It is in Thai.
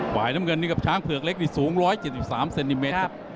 ฝ่ายน้ำเงินนี่กับช้างเผือกเล็กนี่สูง๑๗๓เซนติเมตร